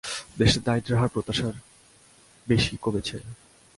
দেশে দারিদ্র্যের হার প্রত্যাশার বেশি কমেছে।